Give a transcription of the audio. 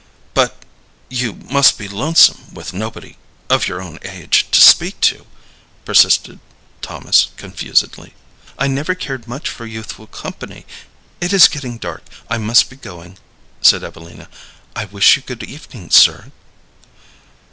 "But you must be lonesome with nobody of your own age to speak to," persisted Thomas, confusedly. "I never cared much for youthful company. It is getting dark; I must be going," said Evelina. "I wish you good evening, sir."